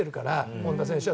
本田選手は。